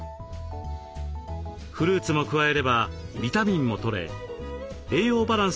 フルーツも加えればビタミンもとれ栄養バランスのとれた朝食に。